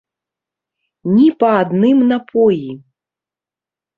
Ні па адным напоі!